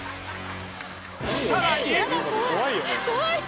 ［さらに］